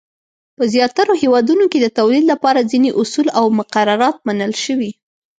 په زیاترو هېوادونو کې د تولید لپاره ځینې اصول او مقررات منل شوي.